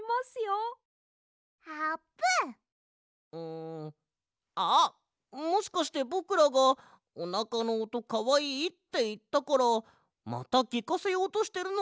んあっもしかしてぼくらが「おなかのおとかわいい」っていったからまたきかせようとしてるのか？